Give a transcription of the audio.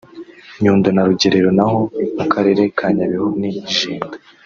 Nyundo na Rugerero naho mu Karere ka Nyabihu ni Jenda